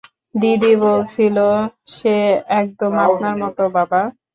দিদি বলছিলো, সে একদম আপনার মতো, বাবা।